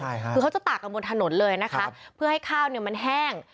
ใช่ค่ะคือเขาจะตากกันบนถนนเลยนะคะเพื่อให้ข้าวเนี่ยมันแห้ง